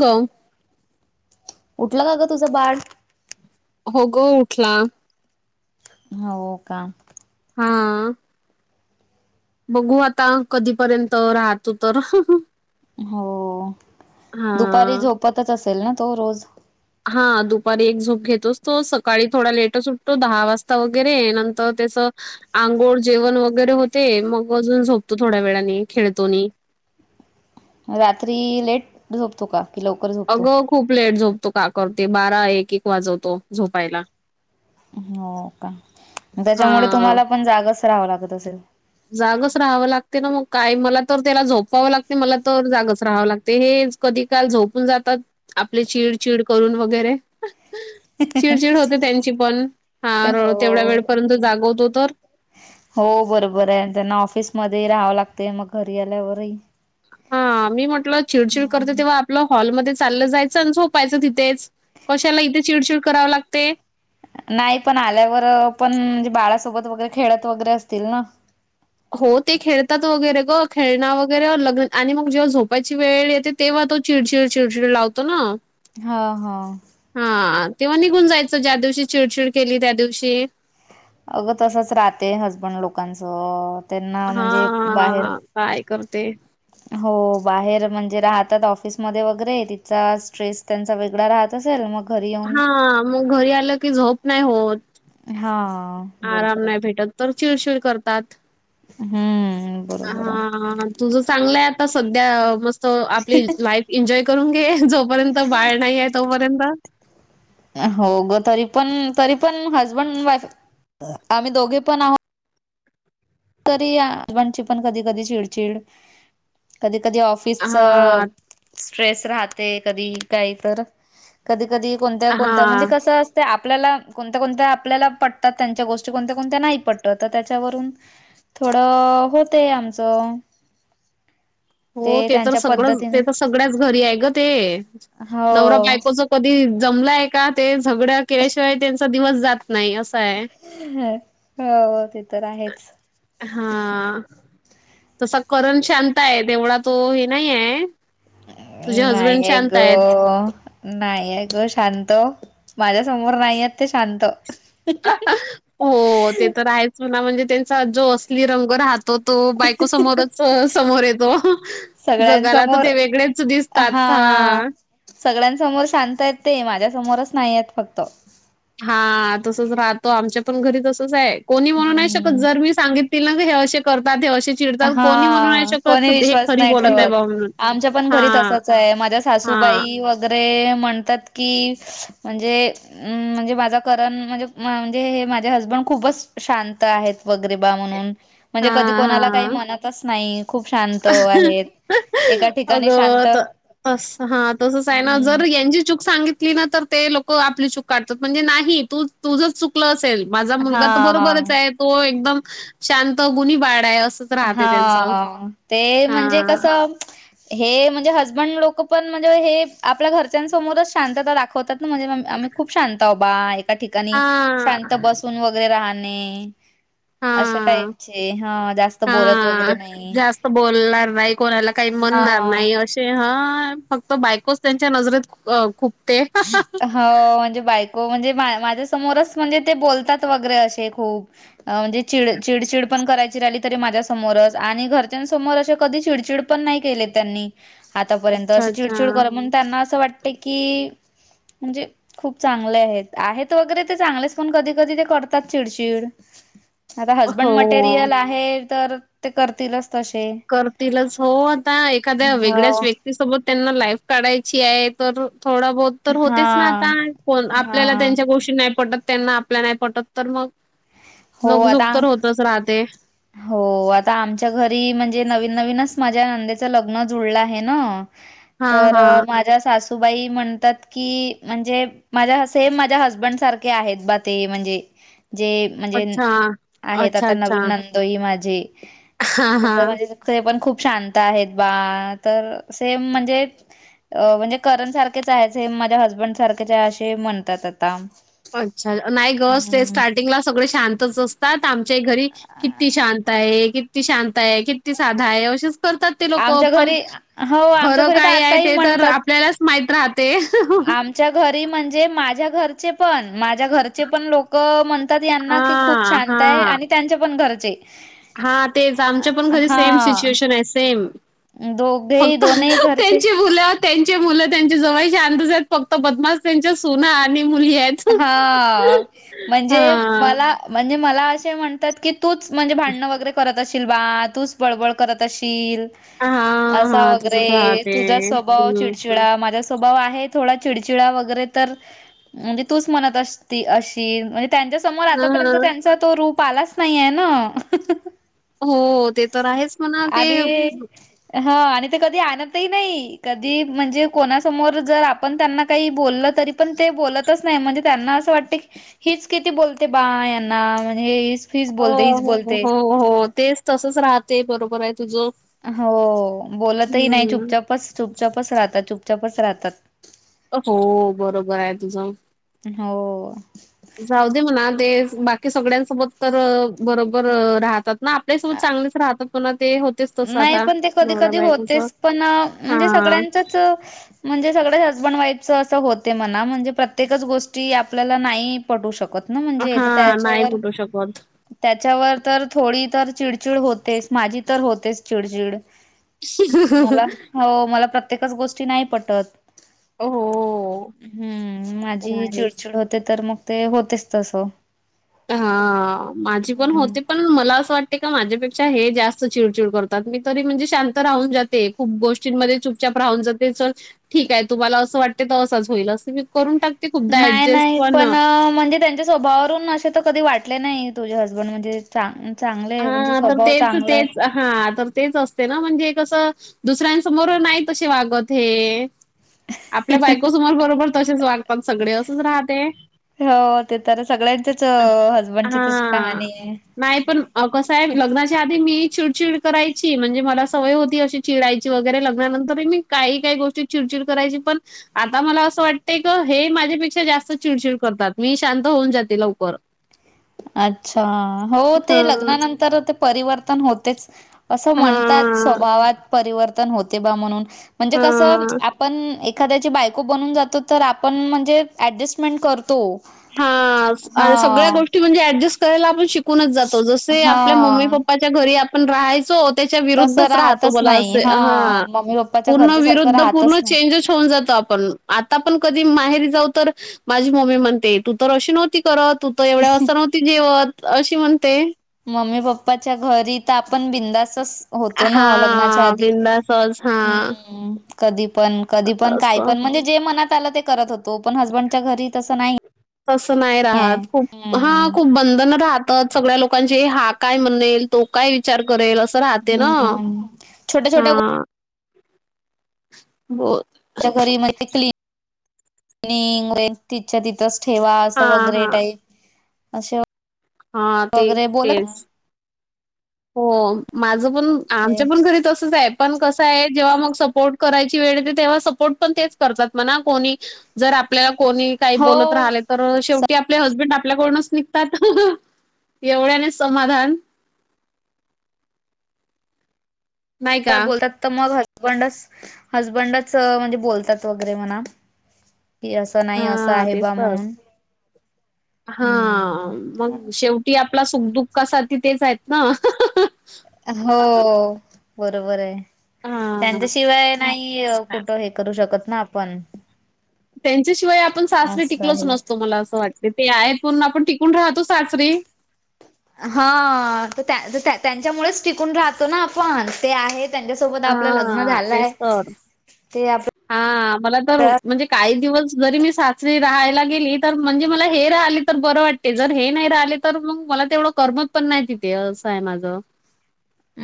ग उठलं का ग तुझं बाळ? हो गं उठला. हो का? हा. बघू आता कधीपर्यंत राहतो तर. हो हा दुपारी झोपतचं असेल ना तो रोज. हा दुपारी एक झोप घेतोच तो. सकाळी थोडा लेटचं उठ तो. दहा वाजता वगैरे नंतर त्याच आंघोळ जेवण वगैरे होते. मग अजून झोपतो थोड्या वेळाने. खेळतो आणि रात्री लेट झोपतो का? कि लवकर झोपतो? अगं खूप लेट झोपतो का करते. बारा एक- एक वाजवतो. झोपायला. हो का? हा त्याच्यामुळे तुम्हाला पण जागचं रहावं लागत असेल. जागच रहावं लागते ना मंग, काय मला तर त्याला झोपवावं लागते. मला तर जागच रहावं लागतेच. कधी काय झोपून जातात. आपली चिड चिड करून वगैरे. चिडचिड होते त्यांची पण. हां रोळ तेवढ्या हो. वेळपर्यंत जागवतो तर. हो बरोबरये. त्यांना ऑफिसमध्ये राहावं लागतय. मग घरी आल्यावरही. हां मी म्हणटलं चिडचिड करते. हम्म. तेव्हा आपलं हॉलमध्ये चाललं जायचं आणि झोपायचं तिथेच कशाला इथे चिडचिड कराव लागते. नाही पण आल्यावर अ पण म्हणजे बाळासोबत वगैरे खेळत वगैरे असतील ना हो ते खेळतात वगैरे गं खेळण वगैरे अ लग आणि मग जेव्हा झोपायची वेळ येते तेव्हा तो चिडचिड चिडचिड लावतो ना हा हा हां तेव्हा निघून जायचं ज्या दिवशी चिडचिड केली त्यादिवशी अगं तसचं राहतय हसबंड लोकांचं त्यांना म्हणजे बाहेर हा काय करते हो बाहेर म्हणजे राहतात ऑफिसमध्ये वगैरे तिथचा स्ट्रेस त्यांचा वेगडा राहत तस आलं मग घरी येऊन हां म घरी आलं की झोप नाय होत. हां आ आराम नाय भेटत तर चिडचिड करतात. हम्म बरोबर आहे हां तुझ चांगलंय आता सध्या मस्त आपली लाईफ इन्जॉय करून घे झोप जोपर्यंत बाळ नाहीये तोपर्यंत अ हो ग तरी पण तरी पण हसबंड वाईफ आम्ही दोघेपण आह तरी आ घाची पण कधी कधी चिडचिड कधी कधी ऑफ फिस च हां, स्ट्रेस राहते कधी कायतर कधी कधी कोणत कोणत म्हणजे हां. कसं अस ते आपल्याला कोणत्या कोणत्या आपल्याला पटतात त्यांच्या गोष्टी कोणत्या कोणत्या नाही पटत त त्याच्यावरून थोडं अ होतय आमचं. हो ते तर त्यांच्या सगळंच पद्धतीने ते तर सगळ्याच घरी हाय ग ते नवरा हो बायकोच कधी जमलाय का ते झगड केल्याशिवाय त्यांचा दिवस जात नाय असाय. हं हा हो ते तर आहेच. हां तसा करण शांत ये तेवढा तो हे नाहीये. नाहीये ग नाहीये गं शांत माझ्यासमोर नाहीयेत ते शांत हो ते तर आहेच म्हणा म्हणजे त्यांचा जो असली रंग राहत तो तो बायको समोरच अ समोर येतो. जगाला त सगळ्यांसमोर ते वेगळेच दिसतात हा हां सगळ्यांसमोर शांतयेत ते माझ्यासमोरच नाहीयेत फक्त हां तसच राहतो आमचे पण घरी तसच हाय कोणी म्हणू नाय शकत हम्म जर मी सांगित की ना ते हे अशे करतात हे अशेच हां कोणी विश्वास नाय बोलत आहे ठेवत बा म्हणून. आमच्या पण घरी हां, तसंच तय माझ्या हां. सासूबाई वगैरे म्हणतात की, म्हणजे हम्म म्हणजे माझा करण म्हणजे म् म्हणजे माझे हसबंड खूपच शांत आहेत. वगैरे बा म्हणून म्हणजे कधी हां, कोणाला काही हां. म्हणतच नाई खूप शांत आहेत. एका ठिकाणी अगं शांत त तसं हा तसंच हाय ना हम्म जर यांची चूक सांगित ली ना तर ते लोक आपली चूक काढतात म्हणजे नाही तू तुझच चुकलं असेल माझा मुलगा तर हा बरोबरंच येत. तो एकदम शांत गुणी बाळ हाय असं हा ते म्हणजे हां. कस हे म्हणजे हजबंड लोक पण म्हणजे हे आपल्या घरच्यांसमोरच शांतता दाखवतात. म्हणजे म आम्ही खूप शांत बा एका ठिकाणी शांत हा बसून व गैरे राहने हा अशा टाईपचे हा जास्त बोलत हा, वगैरे नाही जास्त बोलणार नाही, कोणाला काही म्हणणार हा नाही. तसे हा, फक्त बायकोच त्यांच्या नजरेत खूपते. हो, म्हणजे बायको म्हणजे, माझ्या समोरच म्हणजे, ते बोलतात वगैरे असे खूप. अ म्हणजे चिड, चिडचिड पण करायची राहिली तरी माझ्या समोरच, आणि घरच्यांसमोर असे कधी चिडचिड पण नाही केले त्यांनी. आतापर्यंत, अच्छा अशी अच्छा चिडचिड करम, त्यांना असं वाटत की, म्हणजे खूप चांगले आहेत, आहेत वगैरे ते चांगलेच, पण कधी कधी ते करतात चिडचिड. खरं हो हजबंड मटेरियल आहे तर, ते करतीलच तशे करतीलच हो आता, एखाद्या हो वेगळ्याच व्यक्ती त सोबत त्यांना लाईफ काढायची आहे, तर थोडा बहुत तर हा होतेच ना आता, हा आपल्याला त्यांच्या गोष्टी नाही पटत त्यांना, आपल्या नाही पटत, तर मग हो नक झूक तर आता होतच राहते. हो, आता आमच्या घरी म्हणजे नवीन नवीनच माझ्या नंदेचं लग्न जुळलं आहे ना हा तर हा माझ्या सासूबाई म्हणतात की, म्हणजे माझ्या सेम माझ्या हजबंड सारखे आहेत, बा ते म्हणजे जे म्हणजे, अच्छा आहेत अच्छा आता नवीन अच्छा नंदो ही माझे, हा तस हा म्हणजे ते पण खूप शांत आहेत बा, तर सेम म्हणजे म्हणजे करण सारखेच आहेत, माझ्या हसबंड सारखेच आहेत, असे म्हणतात आता. अच्छा! नाही ग ते हं. स्टार्टिंगला सगळे शांतच असतात, आमच्याही घरी किती शांत आहे, किती शांत आहे, किती साधा आहे, असच करतात ते लोक, आमच्या पण घरी हो, आमच्या खर घरी तर काय आहे आताही ते तर म्हणतात. आपल्याला माहित राहते च्या घरी म्हणजे, माझ्या घरचे पण माझ्या घरचे पण लोक म्हणतात यांना कि, खूप हां, शांत आहे, आणि त्यांचे पण घरचे हा, तेच, आमच्या पण घरी सेम हा सिच्युएशन आहे, सेम. दोघेही फक्त दोनही घरचे त्यांची मुलं, त्यांचे मुलं, त्यांच्या जवळचे शांतच आहेत, फक्त बदमास त्यांच्या सुना आणि मुली आहेत. हा, म्हणजे हां. मला, म्हणजे मला असे म्हणतात की तूच म्हणजे, भांडणं वगैरे करत असशील बा, तूच बडबड करत असशील. हां, असा हां. तसंच वगैरे, राहते. तुझा स्वभाव हं. चिडचिडा माझ्या स्वभाव आहे थोडा चिडचिडा वगैरे, तर तूच म्हणत अस अशील, म्हणजे त्यांच्या समोर हां, आतापर्यंत हां. त्यांचा तो रूप प लाच नाही आहे ना. हो, ते तर आहेच म्हणा, ते आणि हा, आणि ते कधी आणतही नाही, कधी म्हणजे कोणासमोर जर आपण त्यांना काही बोललं तरी पण ते बोलतच नाही, म्हणजे त्यांना असं वाटत की, हीच किती बोलते बा, यांना म्हणजे हीच हो, बोलते हीच हो बोलते हो, हो, तेच तसच राहते, बरोबर आहे तुझं. हो, बोलतही नाही, हम्म. चुपचापच, चुपचापच राहतात. चुपचापच राहतात. हो, बरोबर आहे तुझं. हो. जाऊ दे म्हणा ते, बाकी सगळ्यांसोबत तर बरोबर राहतात. आपल्यासोबत चांगच राहतात, पुन्हा ते तसं नाही, आता पण ते कधी नवरा कधी बायकोचं होतेच पण, म्हणजे हा. सगळ्यांचच म्हणजे, सगळे हजबंड वाईफच असं होते म्हणा, म्हणजे प्रत्येकच गोष्टी आपल्याला नाही पटू शकत ना, म्हणजे हा नाही त्याच्यावर कुटू शकत त्याच्यावर तर थोडी तर चिडचिड होतेच माझी तर होतेच चिडचिड मला हो मला प्रत्येकच गोष्टी नाही पटत हो हम्म तर माझी आहेच. चिड, चिड होते तर मग ते होतेच तसं हा माझी पण हम्म होते पण मला असं वाटते का माझ्यापेक्षा हे जास्त चिड, चिड करतात मी तरी म्हणजे शांत राहून जाते खूप गोष्टींमध्ये चुपचप राहून जाते च ठीक आहे तुम्हाला असं वाटते तर असंच होईल असं मी करून टाक नाही, नाही पण म्हणजे त्यांच्या स्वभावावरून असे तर कधी वाटले नाही तुझे हसबंड म्हणजे चां चांगले आहे म्हणजे हा तर स्वभाव तेच चांगला आहे तेच हा तर तेच असते ना म्हणजे कसं दुसऱ्यांसमोर नाही तसे वागत हे [inaudible] आपल्या बायकोसमोर बरोबर तसेच वागतात सगळे असच राहते हो ते तर सगळ्यांचेच हसबंडची तशी हां. कहाणी आहे नाही पण कसं आहे लग्नाच्या आधी मी चिडचिड करायची म्हणजे मला सवय होती अशी चिडाय वगैरे लग्नानंतर मी काही, काही गोष्टी चिड, चिड करायची पण आता मला असं वाटत क हे माझ्यापेक्षा जास्त चिडचिड करतात मी शांत होऊन जाते लवकर अच्छा हो ते हां, लग्नानंतर ते परिवर्तन होतेच असं म्हणतात हां, स्वभावात परिवर्तन होते बा म्हणून म्हणजे कसं हां, आपण एक एखाद्याची बायको बनून जातो तर आपण म्हणजे ऍडजस्टमेंट करतो हा आणि सगळ्या हा गोष्टी म्हणजे ऍडजस्ट करायला आपण शिकूनच जातो जसे आपल्या मम्मी, हा पप्पा च्या घरी आपण राहायचोत त्याच्या तसं विरुद्धच राहतो राहतच म अस नाही हा मम्मी पप्पाच्या पूर्ण घरच्या सारखं विरुद्ध राहतच पूर्ण नाही. चेंजस होऊन जात आपण आता पण कधी माहेरी जाऊ तर माझी मम्मी म्हणते तू तर अशी नव्हती करत तू तर एवढ्या वाजता नव्हती जेवत अशी म्हणते मम्मी, पप्पाच्या घरी तर आपण बिंदास अस होतो ना लग्नाच्या हां, आधी बिनधास्तच हां, हम्म कधी पण, कधी पण काय असं. पण म्हणजे जे मनात आलं ते करत होतो पण हसबंडच्या घरी तसं नाही तसं नाही आहे. राहात खूप हा हम्म खूप बंधन राहतात सगळ्या लोकांचे हा काय म्हनेल तो काय विचार करेल असं राहते ना हम्म छोट्या हा छोट्या हो च्या घरी महि क्ली तिच्या तिथच ठेवा असं हां, वगैरे टाई असे हा ते वगैरे बोलत तेच हो माझं पण आमच्या पण घरीच तस तसंच आहे जेव्हा म सपोर्ट करायची वेळ येते तेव्हा सपोर्ट पण तेच करतात मना कोणी जर आपल्याला कोणी काही बोलत हो राहले तर शेवटी आपले हसबेंड आपल्याकडूनच निघतात एवढ्याने समाधान नाही काय का? बोलतात तर मग हसबंडच, हसबंडच म्हणजे बोलतात वगैरे म्हणा की अस हा तेच तर हा हम्म. मग शेव ती आपला सुखदुःखा साठी तेच आहेत ना हो बरोबर आहे हां, त्यांच्याशिवाय नाही कुठं हे करू शकत ना आपण त्यांच्याशिवाय आपण सासरे असं टिकलोच आहे. नसतो मला असं वाटत बीपी आहे म्हणन आपण टिकून राहतो सासरी. हा त्या तर त्या तर त्यांच्यामुळेच टिकून राहतो ना आपण ते आहेत. त्यांच्यासोबात आपल लग्न हां, झालंय ते आपण. हा मला तर म्हणजे काही दिवस जरी मी साचरी राहायला गेली तर म्हणजे मला हे राहिलेत. तर बरं वाटते जर हे नाही राहिले तर मग मला तेवढं करमत पण नाही तिथे असं आहे माझं.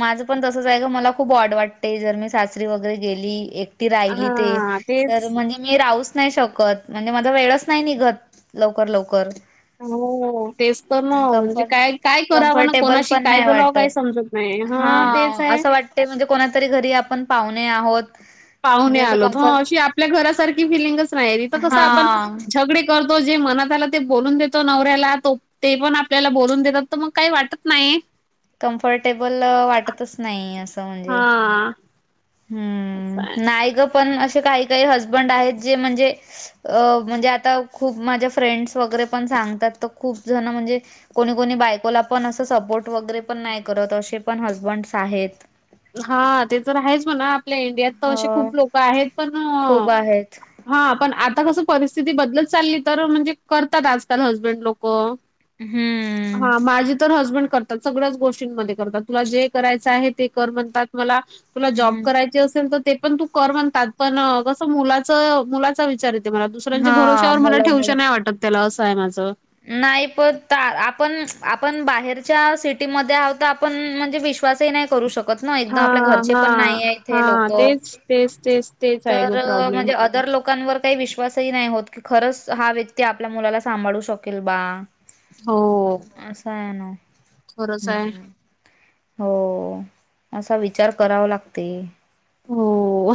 माझं पण तस जाय का मला खूप ऑड वाटते जर मी सासरी वगैरे गेली एक. ते राहिली ते हां, तर तेच. म्हणे. मी राहूच नाही शकत म्हणजे माझा वेळच नाही निघत लवकर लवकर. हो, तेच तर ना कमफ म्हणजे काय काय करावं ना कम्फर्टेबल कोणाशी पण काय नाही बोलावं वाटत. काही समजत नाही. हा हां, तेच आहे. असं वाटते म्हणजे कोणातरी घरी आपण पाहुणे आहोत. पाहणे म्हणजे असं आलोत हं कम्फर्ट अशी आपल्या घरासारखी फिलिंगच नाही तिथं कसं आपण हा झगडे. करतो जे मनात आला ते बोलून देतो नवऱ्याला तो. ते पण आपल्याला बोलून देतात तर मग काही वाटत नाही. कम्फर्टेबल वाटतच नाही असं म्हणजे. हां, असं आहे. हम्म नाय ग पण असे काही काही हजबंड आहेत जे म्हणजे. अ म्हणजे आता खूप माझ्या फ्रेंड्स वगैरे पण सांगतात तर खूप जण म्हणजे. कोणी कोणी बायकोला पण असं सपोर्ट वगैरे पण नाही करत असे पण हसबंड्स आहेत. हा ते तर आहेच म्हणा आपल्या इंडियात तर असे हो खूप लोक आहेत पण खूप आहेत हा पण आता कसं परिस्थिती बदलत चालली तर म्हणजे करतात आजकाल हजबेंड लोक. हम्म. हा माझी तर हसबंड करतात सगळ्याच गोष्टींमध्ये करतात तुला जे करायचं आहे ते. कर म्हणतात मला तुला जॉब हम्म करायचा. च असल ते पण तू कर म्हणतात पण कस मुलाच मुलाचा विचार येतो. ते मला दुसऱ्यांच्या हा भरोवश्यावर मला ठेवश मुलामुळं नाही वाटत त्याला असं आहे माझं. नाही प ता आपण आपण बाहेरच्या सिटीमध्ये आहोत आपण. पण म्हणजे विश्वासही नाही करू शकत. कच ना एकदम हा आपल्या घरचे हा पण नाही हे हा लोक तेच तेच तेच तेच आहे तर ग अ प्रॉब्लेम म्हणजे आत. इतर लोकांवर काही विश्वासही नाही होत की खरंच हा व्यक्ती आपल्या मुलाला सांभाळू शकेल बा. हो असा आहे नवा. कसं हाय. हो असा विचार करावा लागतेय. हो,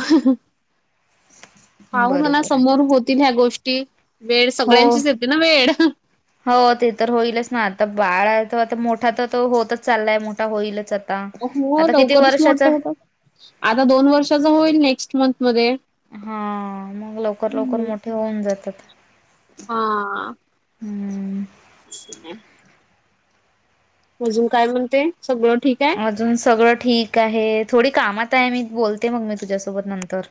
पाह ना ना बरोबर आहे समोर होतील ह्या गोष्टी वेळ हो सगळ्यांचीच येते ना वेळ. हो ते तर होईलच ना आता बाळ त आता मोठा तर तो होतच चाललाय मोठा होईलच आता. हो आता किती लवकरच मोठे वर्षाचा होतात आता दोन वर्षाच होईल नेक्स्ट मंथ मध्ये. हा मग लवकर लवकर हम्म. मोठे होऊन जातात. हा, हम्म. अजून काय म्हणते सगळं ठीक आहे. अजून सगळं ठीक आहे थोडी कामात आहे मी बोलते मग मी तुझ्यासोबत नंतर.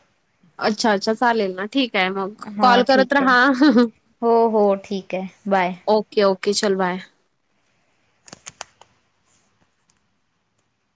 अच्छा अच्छा चालेल ना ठीक आहे मग हा कॉल करत ठीक र आहे. हा. हो हो ठीक आहे बाय. ओके ओके चल बाय.